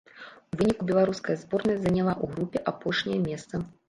У выніку беларуская зборная заняла ў групе апошняе месца.